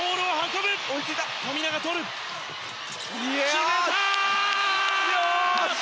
決めた！